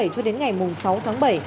cho đến ngày sáu tháng bảy